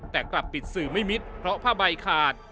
แต่กลับปิดสื่อไม่มิดเพราะผ้าใบขาด